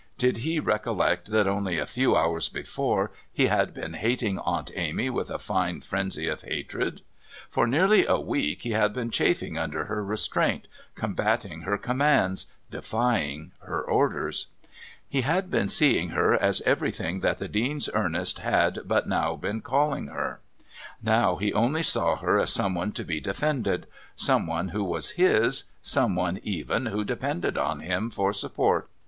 Did he recollect that only a few hours before he had been hating Aunt Amy with a fine frenzy of hatred? For nearly a week he had been chafing under her restraint, combating her commands, defying her orders. He had been seeing her as everything that the Dean's Ernest had but now been calling her. Now he only saw her as someone to be defended, someone who was his, someone even who depended on him for support.